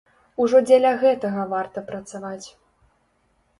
Ужо дзеля гэтага варта працаваць.